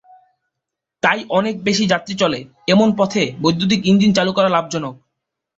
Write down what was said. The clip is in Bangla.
তাই অনেক বেশি যাত্রী চলে, এমন পথে বৈদ্যুতিক ইঞ্জিন চালু করা লাভজনক।